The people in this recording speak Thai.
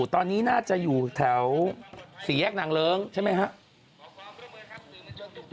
ตอนนี้น่าจะอยู่แถวสี่แยกนางเลิ้งใช่ไหมครับ